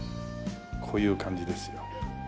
こういう感じですよ。